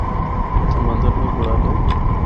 اِتھا مندر بھی بنڑالے۔